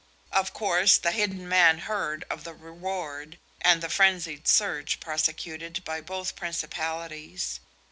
Of course, the hidden man heard of the reward and the frenzied search prosecuted by both principalities.